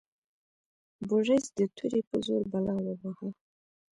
بوریس د تورې په زور بلا وواهه.